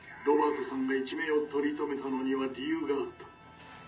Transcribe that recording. ロバートさんが一命を取り留めたのには理由があった。